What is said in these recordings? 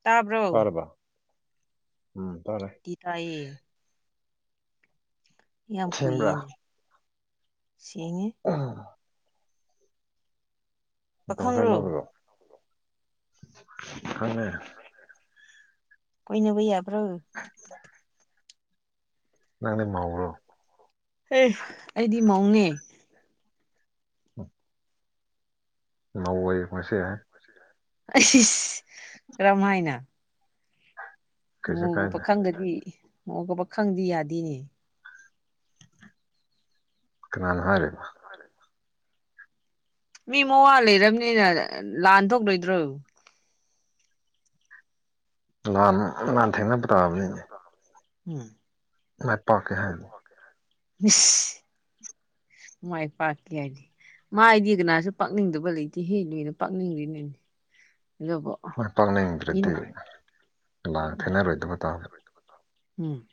ꯇꯥꯕ꯭ꯔꯣ ꯇꯔꯕ ꯎꯝ ꯇꯔꯦ ꯇꯤ ꯇꯥꯏꯌꯦ ꯌꯥꯝ ꯁꯦꯡꯕ꯭ꯔꯥ ꯀꯨꯏꯌꯦꯅꯦ ꯁꯦꯡꯉꯦ ꯎꯝ ꯃꯇꯝ ꯈꯔ ꯄꯥꯈꯪꯔꯣ ꯂꯧꯔꯨꯕꯣ ꯈꯪꯉꯦ ꯀꯣꯏꯅꯕꯌꯥꯕ꯭ꯔ‌ꯣ ꯑ ꯅꯪꯅ ꯃ꯭ꯧꯔꯣ ꯑꯦ ꯑꯩꯗꯤ ꯃꯧꯅꯦ ꯎꯝ ꯅꯧꯋ‍ꯦ ꯄ‍ꯣꯠꯁ‍ꯦ ꯌꯥꯏ ꯑꯁꯤ ꯑꯩꯁ ꯀꯔꯝ ꯍꯥꯏꯅ ꯀꯩꯁꯨ ꯃꯧꯒ ꯀꯥꯏꯗꯦ ꯄꯥꯈꯪꯒꯗꯤ ꯃꯧꯒ ꯄꯥꯈꯪꯗꯤ ꯌꯥꯗꯦꯅꯦ ꯀꯥꯅꯅ ꯍꯥꯏꯔꯤꯕ ꯃꯤ ꯃꯋꯥ ꯂꯩꯔꯕꯅꯤꯅ ꯂꯥꯟ ꯊꯣꯛꯂꯣꯏꯗ꯭ꯔꯣ ꯂꯟ ꯂꯥꯟ ꯊꯦꯡꯅꯕ ꯇꯥꯕꯅꯤꯅꯦ [unintelligible] ꯎꯝ ꯃꯥꯏ ꯄꯥꯀꯦ ꯍꯥꯏꯗꯤ ꯎꯁ ꯃꯥꯏ ꯄꯥꯀꯤ ꯍꯥꯏꯗꯤ ꯃꯥꯏꯗꯤ ꯀꯅꯥꯁꯨ ꯄꯥꯛꯅꯤꯡꯗꯕ ꯂꯩꯇꯦ ꯍꯦ ꯂꯣꯏꯅ ꯄꯥꯛꯅꯤꯡꯉꯤꯅꯤꯅꯦ ꯑꯗꯨꯕꯨ ꯃꯥꯏ ꯄꯥꯛꯅꯤꯡꯗ꯭ꯔꯗꯤ ꯃꯤꯅ ꯂꯥꯜ ꯊꯦꯅꯔꯣꯏꯗꯕ ꯇꯥꯕ ꯎꯝ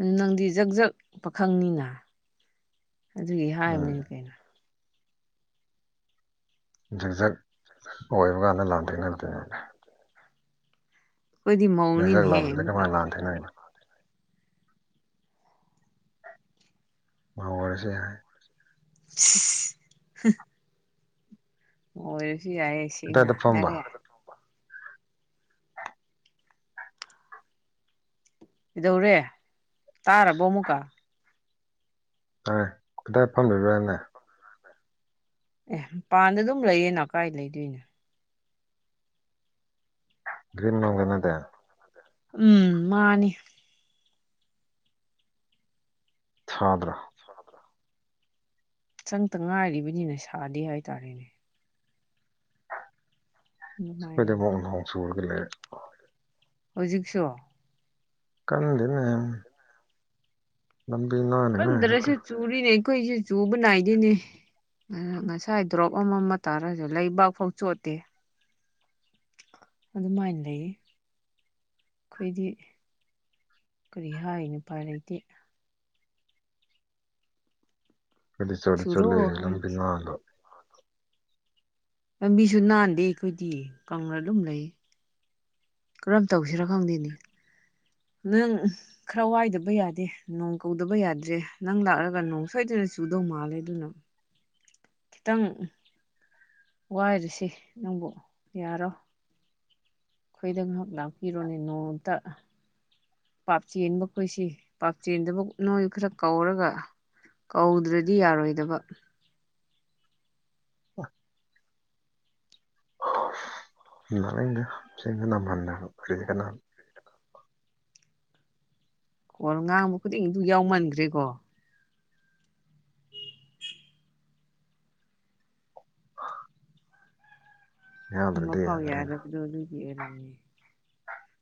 ꯎꯝ ꯅꯪꯗꯤ ꯖꯛ ꯖꯛ ꯄꯥꯈꯪꯅꯤꯅ ꯑꯗꯨꯒꯤ ꯎꯝ ꯍꯥꯏꯔꯕꯅꯤꯅ ꯀꯩꯅꯣ ꯖꯛꯖꯛ ꯑꯣꯏꯕ ꯀꯥꯟꯗ ꯂꯥꯜꯊ‌ꯦꯡꯅꯗ‍ꯦ ꯑꯩꯈꯣꯏꯗꯤ ꯖꯛ ꯃꯧꯅꯤꯅꯦꯍꯦ ꯖꯛꯂꯎꯍꯟꯂꯗꯤ ꯑꯃꯨꯛꯀ ꯀꯃꯥꯏꯅ ꯂꯥꯟ ꯊꯦꯡꯅꯒꯅꯤ ꯃꯧ ꯑꯣꯏꯔꯁꯨ ꯌꯥꯏ ꯁꯤꯁꯁ ꯑꯣꯏꯔꯁꯨ ꯌꯥꯏꯌꯦ ꯁ‌ꯦꯡꯅ ꯀꯗꯥꯏꯗ ꯐꯝꯕ ꯌꯥꯔꯦ ꯀꯗꯧꯔꯦ ꯇꯥꯔꯕꯣ ꯑꯃꯨꯛꯀ ꯇꯥꯏ ꯀꯗꯥꯏ ꯐꯝꯃꯤꯔꯥꯅꯦ ꯑꯦ ꯃꯄꯥꯟꯗ ꯑꯗꯨꯝ ꯂꯩꯌꯦꯅ ꯀꯥꯏ ꯂꯩꯗꯣꯏꯅꯣ ꯒ꯭ꯔꯤꯝ ꯅꯧ ꯂꯩꯅꯗ‌ꯦ ꯎꯝ ꯃꯥꯅꯤ ꯁꯥꯗ꯭ꯔ ꯁꯗ꯭ꯔꯥ ꯆꯪꯇ ꯉꯥꯏꯔꯤꯕꯅꯤꯅ ꯁꯥꯗꯦ ꯍꯥꯏꯇꯥꯔꯦꯅꯦ ꯑꯁ ꯑꯩꯈꯣꯏꯗ ꯑꯗꯨꯃꯥꯏꯅꯅꯤ ꯅ‌ꯣꯡ ꯅꯍ‍ꯣꯡ ꯁꯨꯨꯔꯒ ꯂꯩꯔ‍ꯦ ꯍꯧꯖꯤꯛꯁꯨ ꯀꯟꯗ‌ꯦꯅ‌ꯦ ꯂꯝꯕꯤ ꯅ‌ꯣꯏꯅ ꯈ꯭ꯔ ꯀꯟꯗ꯭ꯔꯁꯨ ꯍ‌ꯦꯟꯂꯛꯇꯧ ꯆꯨꯔꯤꯅꯦ ꯑꯩꯈꯣꯏꯁꯤ ꯆꯨꯕ ꯅꯥꯏꯗꯅꯦ ꯉꯁꯥꯏ ꯗ꯭ꯔꯣꯞ ꯑꯃꯃ ꯇꯥꯔꯁꯨ ꯂꯩꯕꯥꯛꯐꯥꯎ ꯆꯣꯠꯇꯦ ꯑꯗꯨꯃꯥꯏꯅ ꯂꯩꯌꯦ ꯑꯩꯈꯣꯏꯗꯤ ꯀꯔꯤ ꯍꯥꯏ ꯅꯨꯄꯥꯥꯏ ꯂꯩꯇꯦ ꯑꯗꯨ ꯆꯨꯔꯣ ꯍꯥꯏ [unintelligible] ꯂꯝꯕꯤꯁꯨ ꯅꯥꯟꯗꯦ ꯑꯩꯈꯣꯏꯗꯤ ꯀꯪꯂ ꯑꯗꯨꯝ ꯂꯩ ꯀꯔꯝ ꯇꯧꯁꯤꯔ ꯈꯪꯗꯦꯅꯦ ꯅꯪ ꯈꯔ ꯋꯥꯏꯗꯕ ꯌꯥꯗꯦ ꯅꯣꯡ ꯀꯧꯗꯕ ꯌꯥꯗ꯭ꯔꯦ ꯅꯪ ꯂꯥꯛꯂꯒ ꯅꯣꯡ ꯁꯣꯏꯗꯅ ꯆꯨꯗꯧ ꯃꯥꯜꯂꯦ ꯑꯗꯨꯅ [inaudible] ꯈꯤꯇꯪ ꯋꯥꯏꯔꯨꯁꯤ ꯅꯪꯕꯨ ꯌꯥꯔꯣ ꯑꯩꯈꯣꯏꯗ ꯉꯥꯏꯍꯥꯛ ꯂꯥꯛꯄꯤꯔꯣꯅꯦ ꯅꯣꯝꯇ ꯄꯥꯞ ꯆꯦꯟꯕ ꯈꯣꯏꯁꯤ ꯄꯥꯛ ꯆꯦꯟꯗꯕ ꯅꯣꯏ ꯈꯔ ꯀꯧꯔꯒ ꯀꯧꯗ꯭ꯔꯗꯤ ꯌꯥꯔꯣꯏꯗꯕ [unintelligible] [unintelligible] ꯑꯣ ꯉꯥꯡꯕ ꯈꯨꯗꯤꯡꯗꯨ ꯌꯥꯎꯃꯟꯈ꯭ꯔꯦꯀꯣ [unintelligible] ꯑꯃ ꯌꯥꯗ꯭ꯔꯗꯤ ꯐꯥꯎ ꯌꯥꯗ꯭ꯔꯦꯅ ꯌꯥꯗꯕꯗꯨꯣ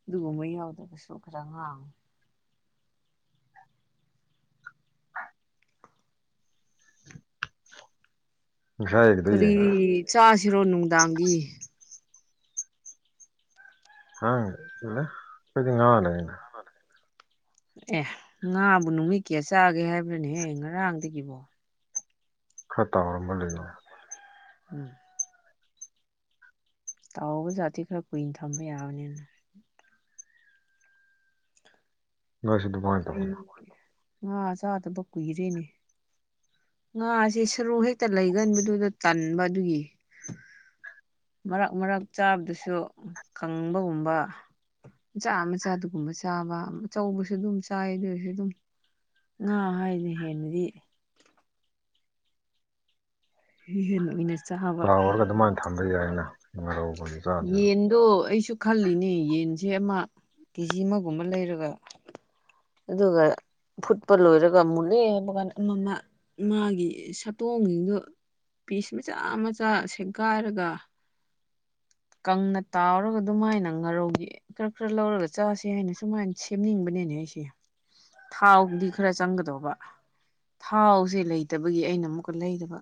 ꯑꯗꯨ [unintelligible] [unintelligible] [unintelligible] ꯉꯁꯥꯏꯒꯤꯗꯣ ꯀꯔꯤ ꯌꯦꯡꯗ꯭ꯔꯥ ꯆꯥꯁꯤꯔꯣ ꯅꯨꯡꯗꯥꯡꯗꯤ ꯍꯥ [unintelligible] [unintelligible] ꯑꯦ ꯉꯥꯕꯨ ꯅꯨꯃꯤꯠ ꯀꯌꯥ ꯆꯥꯒꯦ ꯍꯥꯏꯕ꯭ꯔꯅꯦꯍꯦ ꯉꯔꯥꯡꯗꯒꯤꯕꯣ ꯈꯔ ꯇꯥꯎꯔꯝꯕ ꯂꯩꯅꯤꯅ [unintelligible] ꯇꯥꯎꯕ ꯖꯥꯠꯇꯤ ꯈꯔ ꯀꯨꯏꯅ ꯊꯝꯕ ꯌꯥꯕꯅꯤꯅ [unintelligible] [unintelligible] ꯉꯥ ꯆꯥꯗꯕ ꯀꯨꯏꯔꯦꯅꯦ ꯉꯥꯁꯤ ꯁꯔꯣꯍꯤ ꯇ ꯂꯩꯒꯟꯕꯗꯨꯗ ꯇꯟꯕ ꯑꯗꯨꯒꯤ ꯃꯔꯛ ꯃꯔꯛ ꯆꯥꯕꯗꯨꯁꯨ ꯀꯪꯕꯒꯨꯝꯕ ꯃꯆꯥ ꯃꯆꯥ ꯑꯗꯨꯒꯨꯝꯕ ꯆꯥꯕ ꯑꯆꯧꯕꯁꯨ ꯑꯗꯨꯝ ꯆꯥꯏ ꯑꯗꯣꯏꯁꯨ ꯑꯗꯨꯝ ꯉꯥ ꯍꯥꯏꯅ ꯍꯦꯟꯅꯗꯤ [unintelligible] ꯇꯥꯎꯔꯒ ꯑꯗꯨꯃꯥꯏꯅ ꯊꯝꯕ ꯌꯥꯏꯅ ꯉꯥꯔꯧꯒꯨꯝꯕ [unintelligible] ꯆꯥꯗꯦꯕ ꯌꯦꯟ ꯑꯗꯣ ꯑꯩꯁꯨ ꯈꯜꯂꯤꯅꯦ ꯌꯦꯟꯁꯦ ꯑꯃ ꯀꯦꯖꯤ ꯑꯃꯒꯨꯝꯕ ꯂꯩꯔꯒ ꯑꯗꯨꯒ ꯐꯨꯠꯄ ꯂꯣꯏꯔꯒ ꯃꯨꯠꯂꯦ ꯍꯥꯏꯕ ꯀꯥꯟꯗ ꯃꯥꯒꯤ ꯁꯥꯇꯣꯡꯁꯤꯡꯗꯨ ꯄꯤꯁ ꯃꯆꯥ ꯃꯆꯥ ꯁꯦꯒꯥꯏꯔꯒ ꯀꯪꯅ ꯇꯥꯎꯔꯒ ꯑꯗꯨꯃꯥꯏꯅ ꯉꯥꯔꯧꯒꯤ ꯈꯔ ꯈꯔ ꯂꯧꯔꯒ ꯆꯥꯁꯦ ꯍꯥꯏꯅ ꯁꯨꯃꯥꯏꯅ ꯁꯦꯝꯅꯤꯡꯕꯅꯦꯅꯦ ꯑꯩꯁꯦ ꯊꯥꯎꯕꯨꯗꯤ ꯈꯔ ꯆꯪꯒꯗꯧꯕ ꯊꯥꯎꯁꯦ ꯂꯩꯇꯕꯒꯤ ꯑꯩꯅ ꯑꯃꯨꯛꯀ ꯂꯩꯗꯕ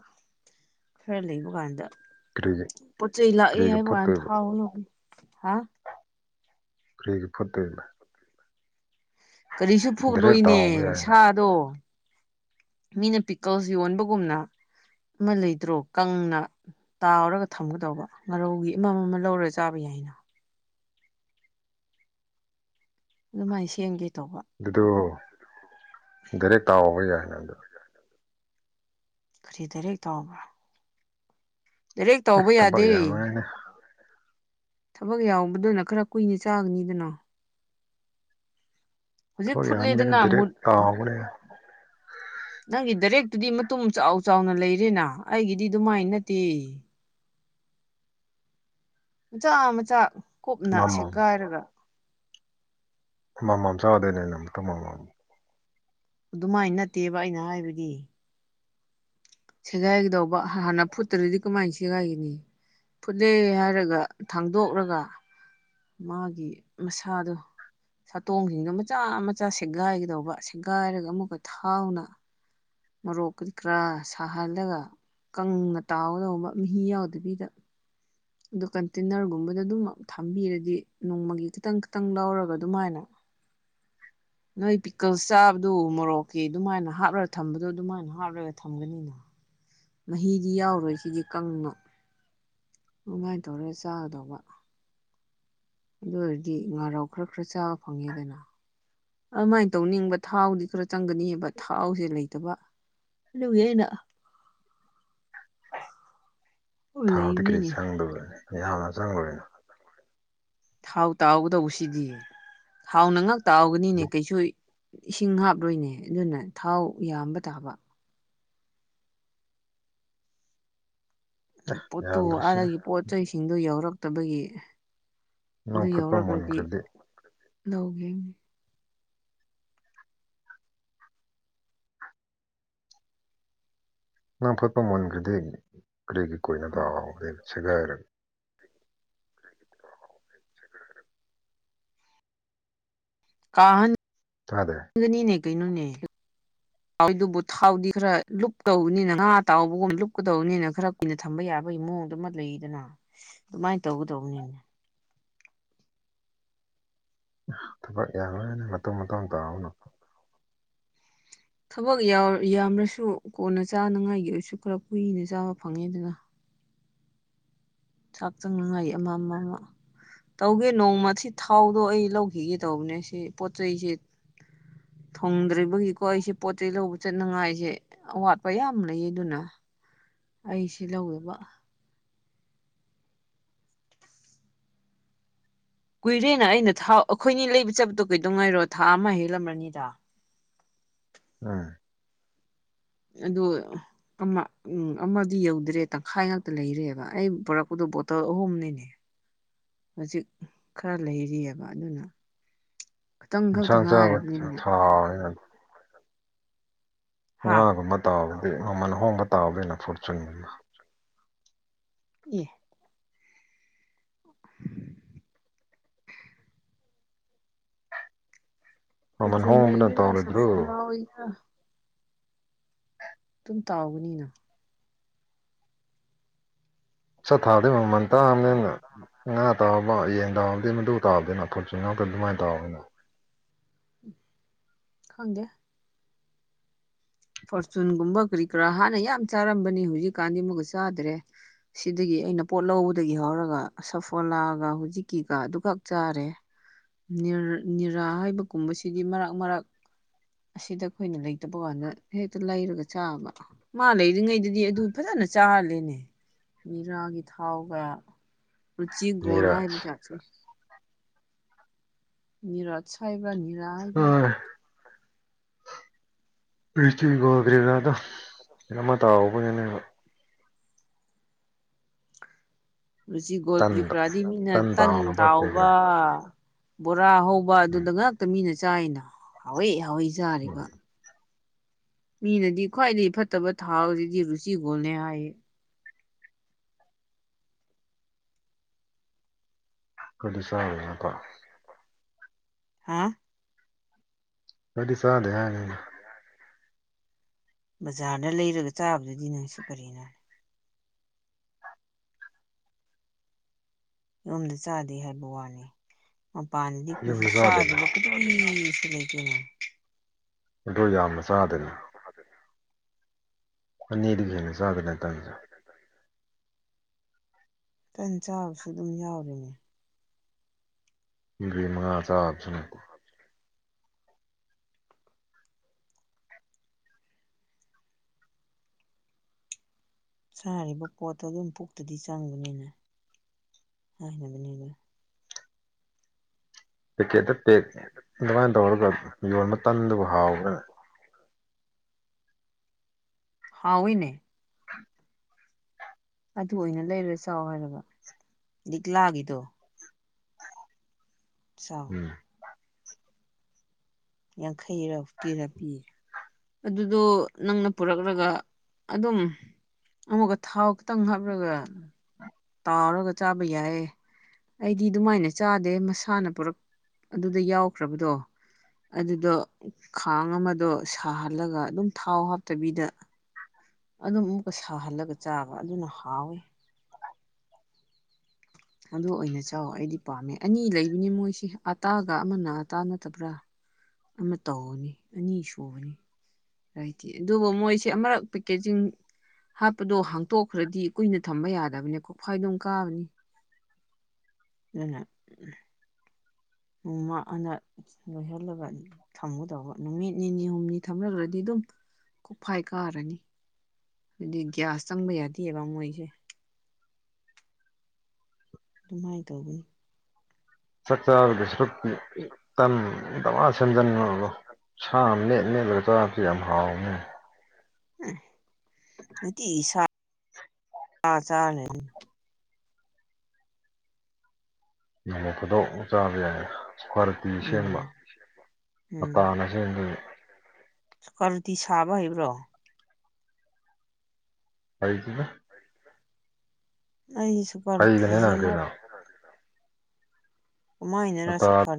ꯈꯔ ꯂꯩꯕ ꯀꯥꯟꯗ ꯀꯔꯤꯒꯤ ꯄꯣꯠ ꯆꯩꯩ ꯂꯥꯛꯑꯦ ꯀꯔꯤꯒꯤ ꯍꯥꯏꯕ ꯀꯥꯟꯅ ꯐꯨꯠꯇꯣꯏꯕ ꯊꯥꯎ ꯗꯨ ꯍꯥ ꯀꯔꯤꯒꯤ ꯐꯠ [unintelligible] ꯀꯔꯤꯁꯨ ꯗꯥꯏꯔꯦꯛ ꯐꯨꯔꯣꯏꯅꯦ ꯇꯥꯎꯕ ꯌꯥꯏꯅ ꯁꯥꯗꯣ ꯃꯤꯅ ꯄꯤꯀꯜꯁ ꯌꯣꯟꯕꯒꯨꯝꯅ ꯑꯃ ꯂꯩꯇ꯭ꯔꯣ ꯀꯪꯅ ꯇꯥꯎꯔꯒ ꯊꯝꯒꯗꯧꯕ ꯉꯥꯔꯧꯒꯤ ꯑꯃ ꯑꯃ ꯂꯧꯔꯒ ꯆꯥꯕ ꯌꯥꯏꯅ ꯑꯗꯨꯃꯥꯏꯅ ꯁꯦꯝꯒꯦ ꯇꯧꯕ ꯑꯗꯨꯗ ꯗꯥꯏꯔꯦꯛ ꯇꯥꯎꯕ ꯌꯥꯏ ꯅꯪꯗꯣ ꯀꯔꯤ ꯗꯥꯏꯔꯦꯛ ꯇꯥꯎꯕ꯭ꯔꯣ ꯔꯦꯛ ꯑꯁ ꯇꯧꯕ ꯊꯕꯛ ꯌꯥꯗꯦ ꯌꯥꯝꯃꯒꯅꯦ ꯊꯕꯛ ꯌꯥꯎꯕꯗꯨꯅ ꯈꯔ ꯀꯨꯏꯅ ꯆꯥꯒꯅꯤꯗꯅꯣ ꯍꯧꯖꯤꯛ ꯊꯕꯛ ꯌꯥꯝꯕꯒꯤꯅꯦ ꯐꯨꯠꯂꯤꯗꯅ ꯗꯥꯏꯔꯦꯛ ꯃꯨꯠ ꯇꯥꯎꯕꯅꯦ ꯅꯪꯒꯤ ꯗꯥꯏꯔꯦꯛꯇꯨꯗꯤ ꯃꯇꯨꯝ ꯆꯥꯎ ꯆꯥꯎꯅ ꯂꯩꯔꯦꯅ ꯑꯩꯒꯤꯗꯤ ꯑꯗꯨꯃꯥꯏꯅ ꯅꯠꯇꯦ ꯃꯆꯥ ꯃꯆꯥ ꯀꯨꯞꯅ ꯑꯃꯃꯝ ꯁꯦꯒꯥꯏꯔꯒ ꯃꯃꯝ ꯆꯥꯗꯣꯏꯅꯦꯩꯅ ꯑꯃꯝꯛꯇ ꯃꯃꯝ ꯑꯗꯨꯃꯥꯏꯅ ꯅꯠꯇꯦꯕ ꯑꯩꯅ ꯍꯥꯏꯕꯗꯤ ꯁꯦꯒꯥꯏꯒꯗꯧꯕ ꯍꯥꯟꯅ ꯐꯨꯠꯇ꯭ꯔꯗꯤ ꯀꯃꯥꯏꯅ ꯁꯦꯒꯥꯏꯒꯅꯤ ꯐꯨꯠꯂꯦ ꯍꯥꯏꯔꯒ ꯊꯥꯡꯗꯣꯛꯂꯒ ꯃꯥꯒꯤ ꯃꯁꯥꯗꯣ ꯁꯥꯇꯣꯡꯁꯤꯡꯗꯣ ꯃꯆꯥ ꯃꯆꯥ ꯁꯦꯒꯥꯏꯒꯗꯧꯕ ꯁꯦꯒꯥꯏꯔꯒ ꯑꯃꯨꯛꯀ ꯊꯥꯎꯅ ꯃꯣꯔꯣꯛ ꯀꯔꯤ ꯀꯔꯥ ꯁꯥꯍꯜꯂꯒ ꯀꯪꯅ ꯇꯥꯎꯒꯗꯧꯕ ꯃꯍꯤ ꯌꯥꯎꯗꯕꯤꯗ ꯑꯗꯨ ꯀꯟꯇꯦꯟꯅꯔꯒꯨꯝꯕꯗ ꯑꯗꯨꯝꯃꯛ ꯊꯝꯕꯤꯔꯗꯤ ꯅꯣꯡꯃꯒꯤ ꯈꯤꯇꯪ ꯈꯤꯇꯪ ꯂꯧꯔꯒ ꯑꯗꯨꯃꯥꯏꯅ [unintelligible] [inaudible] ꯅꯣꯏ ꯄꯤꯛꯀꯜ ꯆꯥꯕꯗꯨ ꯃꯣꯔꯣꯛꯀꯤ ꯑꯗꯨꯃꯥꯏꯅ ꯍꯥꯞꯂꯒ ꯊꯝꯕꯗꯣ ꯑꯗꯨꯃꯥꯏꯅ ꯍꯥꯞꯂꯒ ꯊꯝꯒꯅꯤꯅ ꯃꯍꯤꯗꯤ ꯌꯥꯎꯔꯣꯏ ꯁꯤꯗꯤ ꯀꯅꯣ ꯑꯗꯨꯃꯥꯏꯅ ꯇꯧꯔꯦ ꯆꯥꯒꯗꯧꯕ ꯑꯗꯨ ꯑꯣꯏꯔꯗꯤ ꯉꯥꯔꯥꯎ ꯈꯔ ꯈꯔ ꯆꯥꯕ ꯐꯪꯉꯦꯗꯅ ꯑꯗꯨꯃꯥꯏꯅ ꯇꯧꯅꯤꯡꯕ ꯊꯥꯎꯗꯤ ꯈꯔ ꯆꯪꯒꯅꯤꯑꯕ ꯊꯥꯎꯁꯦ ꯂꯩꯇꯕ ꯑꯗꯨꯒꯤ ꯑꯩꯅ ꯊꯥꯎꯗꯤ ꯀꯔꯤ ꯂꯩꯕꯅꯤꯅꯦ ꯆꯪꯗꯕꯅꯤ ꯌꯥꯝꯅ ꯆꯪꯉꯨꯔꯤꯅ ꯊꯥꯎ ꯇꯥꯎꯒꯗꯧꯕꯁꯤꯗꯤ ꯊꯥꯎ ꯅ ꯉꯥꯛ ꯇꯥꯎꯒꯅꯤꯅꯦ ꯍꯧꯖꯤꯛ ꯀꯩꯁꯨ ꯏꯁꯤꯡ ꯍꯥꯞꯂꯣꯏꯅꯦ ꯑꯗꯨꯅ ꯊꯥꯎ ꯌꯥꯝꯕ ꯇꯥꯕ ꯄꯣꯠꯇꯨ ꯌꯥꯝꯗ꯭ꯔꯁꯨ ꯑꯗꯒꯤ ꯄꯣꯠ ꯆꯩꯁꯤꯡꯗꯨ ꯌꯥꯎꯔꯛꯇꯕꯒꯤ ꯑꯗꯨ ꯅꯪ ꯐꯨꯠꯄ ꯌꯥꯎꯔꯕ꯭ꯔꯗꯤ ꯃꯨꯟꯈ꯭ꯔꯗꯤ ꯂꯧꯒꯦ ꯅꯪ ꯐꯠꯄ ꯃꯨꯟꯈ꯭ꯔꯗꯤ ꯀꯔꯤꯒꯤꯔꯤ ꯀꯣꯏꯅ ꯇꯥꯍꯗꯦ ꯁꯦꯒꯥꯏꯔꯒ ꯀꯥꯍꯟ ꯑꯗꯦ ꯒꯅꯤꯅꯦ ꯀꯩꯅꯣꯅꯦ ꯍꯥꯎꯏꯗꯨꯕꯨ ꯊꯥꯎꯗꯤ ꯈꯔ ꯂꯨꯞꯇꯧꯅꯤꯅ ꯉꯥ ꯇꯥꯎꯕꯒꯨꯝ ꯂꯨꯞꯀꯗꯧꯅꯤꯅ ꯈꯔ ꯑꯩꯅ ꯊꯝꯕ ꯌꯥꯕꯒꯤ ꯃꯑꯣꯡꯗꯨꯃ ꯂꯩꯗꯅ ꯑꯗꯨꯃꯥꯏꯅ ꯇꯧꯒꯗꯧꯕꯅꯤꯅꯦ ꯊꯕꯛ ꯌꯝꯔꯣꯏꯅ ꯃꯇꯨꯡ ꯃꯇꯥꯡ ꯇꯥꯕꯅꯨ ꯊꯕꯛ ꯌꯥꯝꯔꯁꯨ ꯀꯣꯟꯅ ꯆꯥꯅꯉꯥꯏꯒꯤ ꯑꯣꯏꯔꯁꯨ ꯈꯔ ꯀꯨꯏꯅ ꯆꯥꯕ ꯐꯪꯉꯦ ꯑꯗꯨꯅ ꯆꯥꯛ ꯆꯪꯅꯉꯥꯏ ꯑꯃ ꯑꯃ ꯑꯃ ꯇꯧꯒꯦ ꯅꯣꯡꯃ ꯁꯤ ꯊꯥꯎꯗꯣ ꯑꯩ ꯂꯧꯈꯤꯒꯦ ꯇꯧꯕꯅꯦ ꯁꯤ ꯄꯣꯠ ꯆꯩꯁꯤ ꯊꯣꯡꯗ꯭ꯔꯤꯕꯒꯤꯀꯣ ꯑꯩꯁꯦ ꯄꯣꯠ ꯆꯩ ꯂꯧꯕ ꯆꯠꯅꯉꯥꯏꯁꯦ ꯑꯋꯥꯠꯄ ꯌꯥꯝ ꯂꯩꯌꯦ ꯑꯗꯨꯅ ꯑꯩꯁꯤ ꯂꯧꯋꯦꯕ ꯀꯨꯏꯔꯦꯅ ꯑꯩꯅ ꯊꯥꯎ ꯑꯩꯈꯣꯏꯅꯤ ꯂꯩꯕ ꯆꯠꯄꯗꯣ ꯀꯩꯗꯧꯉꯥꯏꯔꯣ ꯊꯥ ꯑꯃ ꯍꯦꯜꯂꯝꯂꯅꯤꯗ ꯎꯝ ꯑꯗꯨ ꯑꯃ ꯎꯝ ꯑꯃꯗꯤ ꯌꯧꯗ꯭ꯔꯦ ꯇꯪꯈꯥꯏ ꯉꯥꯛꯇ ꯂꯩꯔꯦꯕ ꯑꯩ ꯄꯣꯔꯛꯄꯗꯣ ꯕꯣꯇꯜ ꯑꯍꯨꯝꯅꯤꯅꯦ ꯍꯧꯖꯤꯛ ꯈꯔ ꯂꯩꯔꯤꯑꯕ ꯑꯗꯨꯅ ꯈꯤꯇꯪ ꯈꯛꯇ ꯏꯟꯁꯥꯡ ꯆꯥꯕ ꯉꯥꯏꯔꯕꯤꯅꯦ ꯊꯥꯎꯅꯤꯅ ꯍꯥ ꯉꯥꯒꯨꯝꯕ ꯇꯥꯕꯗꯤ ꯃꯃꯜ ꯍꯍꯣꯡꯕ ꯇꯥꯎꯕꯅꯤꯅ ꯐꯣꯔꯆꯨꯟꯒꯨꯝꯕ ꯑꯦ ꯃꯃꯜ ꯑꯔꯖꯨꯅ ꯍꯣꯡꯕꯅ ꯑꯣꯏ ꯇꯧꯔꯣꯏꯗ꯭ꯔꯣ ꯁꯐꯂꯥ ꯑꯣꯏꯒ ꯁꯝ ꯇꯥꯎꯒꯅꯤꯅ ꯑꯠ ꯊꯥꯗꯣꯏ ꯃꯃꯟ ꯇꯅꯦꯅ ꯉꯥ ꯇꯥꯔꯕꯕ ꯌꯦꯟ ꯇꯥꯕꯗꯤ ꯃꯗꯨ ꯇꯥꯕꯗꯅꯤꯅ ꯑꯐꯨꯠꯁꯨ ꯉꯥꯛꯇ ꯑꯗꯨꯃꯥꯏꯅ ꯇꯥꯔꯕꯅꯤꯅ ꯈꯪꯗꯦ ꯐꯣꯔꯆꯨꯟꯒꯨꯝꯕ ꯀꯔꯤ ꯀꯔꯥ ꯍꯥꯟꯅ ꯌꯥꯝ ꯆꯥꯔꯝꯕꯅꯤ ꯍꯧꯖꯤꯛꯀꯥꯟꯗꯤ ꯑꯃꯨꯛꯒ ꯆꯥꯗ꯭ꯔꯦ ꯁꯤꯗꯒꯤ ꯑꯩꯅ ꯄꯣꯠ ꯂꯧꯕꯗꯒꯤ ꯍꯧꯔꯒ ꯁꯐꯣꯂꯥꯒ ꯍꯧꯨꯖꯤꯛꯀꯤꯒ ꯑꯗꯨꯈꯛ ꯆꯥꯔꯦ ꯅꯤ ꯅꯤꯔꯥ ꯍꯥꯏꯕꯒꯨꯝꯕꯁꯤꯗꯤ ꯃꯔꯛ ꯃꯔꯛ ꯑꯁꯤꯗ ꯑꯩꯈꯣꯏꯅ ꯂꯩꯇꯕ ꯀꯥꯟꯗ ꯍꯦꯛꯇ ꯂꯩꯔꯒ ꯆꯥꯕ ꯃꯥ ꯂꯩꯔꯤꯉꯩꯗꯗꯤ ꯑꯗꯨ ꯐꯖꯅ ꯆꯥꯍꯜꯂꯦꯅꯦ ꯅꯤꯔꯥꯒꯤ ꯊꯥꯎꯒ ꯔꯨꯆꯤ ꯒꯣꯜ ꯍꯥꯏꯕ ꯅꯤꯔꯖ ꯖꯥꯠꯁꯨ ꯅꯤꯔꯥꯠꯁ ꯍꯥꯏꯕ꯭ꯔꯥ ꯅꯤꯔꯥ ꯍꯥꯏꯕ꯭ꯔꯥ [unintelligible] ꯔꯨꯆꯤ ꯒꯣꯜ ꯀꯔꯤ ꯇꯟꯗꯣ ꯀꯔꯥꯗꯤ ꯃꯤꯅ ꯇꯟ ꯇꯥꯎꯅꯕ ꯀꯔꯤ ꯇꯥꯎꯕ ꯀꯔꯥ ꯕꯣꯔꯥ ꯍꯧꯕ ꯋꯥ ꯎꯝ ꯑꯗꯨꯗ ꯉꯥꯛꯇ ꯃꯤꯅ ꯆꯥꯏꯅ ꯍꯥꯎꯋꯥꯏ ꯍꯥꯎꯋꯏ ꯎꯝ ꯆꯥꯔꯤꯕ ꯃꯤꯅꯗꯤ ꯈ꯭ꯋꯥꯏꯗꯒꯤ ꯐꯠꯇꯕ ꯊꯥꯎꯁꯤꯗꯤ ꯔꯨꯆꯤꯒꯣꯜꯅꯦ ꯍꯥꯏꯌꯦ [unintelligible] ꯍꯥ [unintelligible] ꯕꯖꯥꯔꯗ ꯂꯩꯔꯒ ꯆꯥꯕꯗꯨꯗꯤ ꯅꯪꯁꯨ ꯀꯔꯤꯅꯣ ꯌꯨꯝꯗ ꯆꯥꯗꯦ ꯍꯥꯏꯕ ꯋꯥꯅꯦ ꯃꯄꯥꯟꯗꯗꯤ ꯑꯩꯈꯣꯏꯁꯤ ꯌꯨꯝꯗ ꯆꯥꯗꯦꯅ ꯆꯥꯗꯕ ꯀꯔꯤ [unintelligible] ꯑꯗꯨ ꯌꯥꯝꯅ ꯆꯥꯗꯅꯤ ꯑꯅꯤꯗꯒꯤ ꯍꯦꯟꯅ ꯆꯥꯗꯅ ꯇꯟꯁꯨ ꯇꯟ ꯆꯥꯕꯁꯨ ꯑꯗꯨꯝ ꯌꯥꯎꯔꯤꯅꯦ ꯃꯔꯤ ꯃꯉꯥ ꯆꯥꯕꯁꯨ ꯅꯠꯇꯦ ꯁꯥꯔꯤꯕ ꯄꯣꯠꯇꯣ ꯑꯗꯨꯝ ꯄꯨꯛꯇꯗꯤ ꯆꯪꯕꯅꯤꯅ ꯍꯥꯏꯅꯕꯅꯤꯗ ꯄꯦꯛꯀꯦꯠꯇ ꯄꯦꯛ ꯑꯗꯨꯃꯥꯏꯅ ꯇꯧꯔꯒ ꯌꯣꯟꯕ ꯇꯟꯗꯨꯕꯨ ꯍꯥꯎꯈꯅꯤ ꯍꯥꯎꯋꯤꯅꯦ [inaudible] ꯑꯗꯨ ꯑꯣꯏꯅ ꯂꯩꯔ ꯆꯥꯎ ꯍꯥꯏꯔꯕ ꯂꯤꯛꯂꯥꯒꯤꯗꯣ ꯆꯥꯎ ꯎꯝ ꯌꯥꯡꯈꯩꯔ ꯐꯤꯐꯇꯤꯔꯥ ꯄꯤ ꯑꯗꯨꯗꯣ ꯅꯪꯅ ꯄꯨꯔꯛꯂꯒ ꯑꯗꯨꯝ ꯑꯃꯨꯛꯀ ꯊꯥꯎ ꯈꯤꯇꯪ ꯍꯥꯞꯂꯒ [inaudible] ꯇꯥꯎꯔꯒ ꯆꯥꯕ ꯌꯥꯏꯌꯦ ꯑꯩꯗꯤ ꯑꯗꯨꯃꯥꯏꯅ ꯆꯥꯗꯦ ꯃꯁꯥꯅ ꯄꯨꯔꯛ ꯑꯗꯨꯗ ꯌꯥꯎꯈ꯭ꯔꯕꯗꯣ ꯑꯗꯨꯗꯣ ꯈꯥꯡ ꯑꯃꯗꯣ ꯁꯥꯍꯜꯂꯒ ꯑꯗꯨꯝ ꯊꯥꯎ ꯍꯥꯞꯇꯕꯤꯗ ꯑꯗꯨꯝ ꯑꯃꯨꯛꯀ ꯁꯥꯍꯜꯂꯒ ꯆꯥꯕ ꯑꯗꯨꯅ ꯍꯥꯎꯋꯤ ꯑꯗꯨ ꯑꯣꯏꯅ ꯆꯥꯎ ꯑꯩꯗꯤ ꯄꯥꯝꯃꯦ ꯑꯅꯤ ꯂꯩꯕꯅꯤ ꯃꯣꯏꯁꯤ ꯑꯇꯥꯒ ꯑꯃꯅ ꯑꯇꯥ ꯅꯠꯇꯕ꯭ꯔꯥ ꯑꯃ ꯇꯧꯅꯤ ꯑꯅꯤ ꯁꯨꯕꯅꯤ ꯍꯥꯏꯗꯤ ꯑꯗꯨꯕꯨ ꯃꯣꯏꯁꯦ ꯑꯃꯨꯔꯛ ꯄꯦꯀꯦꯖꯤꯡ ꯍꯥꯞꯄꯗꯣ ꯍꯥꯡꯇꯣꯛꯈ꯭ꯔꯗꯤ ꯀꯨꯏꯅ ꯊꯝꯕ ꯌꯥꯗꯕꯅꯦ ꯀꯣꯛꯐꯏꯗꯨꯝ ꯀꯥꯕꯅꯤ ꯗꯨꯅ ꯎꯃ ꯃꯥ ꯍꯟꯗꯛ ꯂꯣꯏꯍꯜꯂꯒ ꯊꯝꯒꯗꯧꯕ ꯅꯨꯃꯤꯠ ꯅꯤꯅꯤ ꯍꯨꯝꯅꯤ ꯊꯝꯂꯈ꯭ꯔꯗꯤ ꯑꯗꯨꯝ ꯀꯨꯐꯥꯏ ꯀꯥꯔꯅꯤ ꯑꯗꯨꯗꯤ ꯒ꯭ꯌꯥꯁ ꯆꯪꯕ ꯌꯥꯗꯦꯕ ꯃꯣꯏꯁꯦ ꯑꯗꯨꯃꯥꯏꯅ ꯇꯧꯕꯅꯤ ꯆꯥꯛ ꯆꯥꯒꯗ ꯁꯔꯨꯛꯇꯤ ꯇꯟ ꯗꯃꯥ ꯁꯦꯝꯖꯟꯕꯒꯀꫭ ꯁꯥ ꯃꯦꯠ ꯃꯦꯠꯂꯒ ꯆꯥꯕꯁꯤ ꯌꯥꯝ ꯍꯥꯎꯕꯅꯤꯅꯦ ꯅꯨꯇꯤꯒꯤ ꯁꯥ [inaudible] ꯅꯣꯡꯃ ꯐꯗꯣꯛ ꯆꯥꯕ ꯌꯥꯏ ꯏꯁꯀ꯭ꯋꯥꯔꯇꯤ ꯁꯦꯝꯕ ꯎꯝ ꯑꯇꯥꯅ ꯁꯦꯝꯗꯨꯏꯕ ꯏꯁ꯭ꯀꯋꯥꯔꯇꯤ ꯁꯥꯕ ꯍꯩꯕ꯭ꯔꯣ ꯍꯈꯤꯕ ꯑꯩꯁꯨ ꯍꯩꯒꯅꯤꯅ ꯀꯩꯅꯣ [unintelligible] ꯃꯣꯏꯅꯅꯁꯨ ꯈꯔ